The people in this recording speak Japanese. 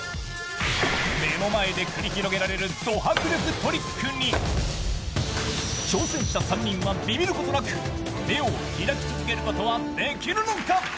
目の前で繰り広げられるド迫力トリックに、挑戦者３人はビビることなく、目を開き続けることはできるのか？